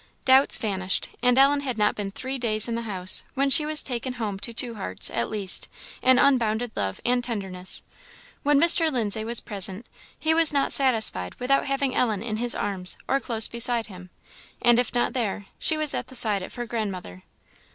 Doubts vanished, and Ellen had not been three days in the house when she was taken home to two hearts, at least, in unbounded love and tenderness. When Mr. Lindsay was present, he was not satisfied without having Ellen in his arms, or close beside him; and if not there, she was at the side of her grandmother.